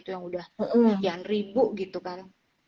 yang udah kelihatan ribu gitu kan